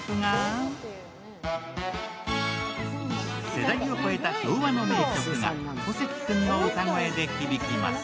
世代を超えた昭和の名曲が小関君の歌声で響きます。